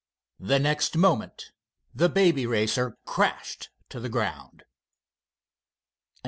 The next moment the Baby Racer crashed to the ground.